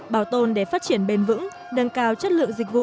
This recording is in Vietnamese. bảo tồn để phát triển bền vững nâng cao chất lượng dịch vụ